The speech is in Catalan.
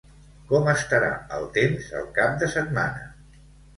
Com estarà el temps el cap de setmana?